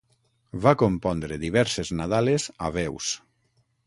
Va compondre diverses nadales a veus.